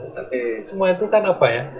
tapi semua itu kan apa ya